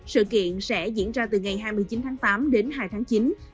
sự kiện sẽ diễn ra từ ngày hai mươi chín tháng tám đến hai tháng chín